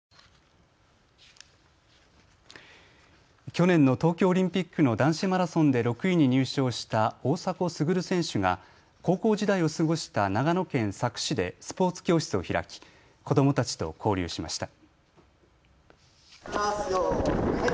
去年の東京オリンピックの男子マラソンで６位に入賞した大迫傑選手が高校時代を過ごした長野県佐久市でスポーツ教室を開き、子どもたちと交流しました。